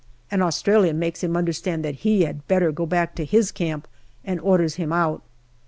An Australian makes him understand that he had better go back to his camp, and orders him out.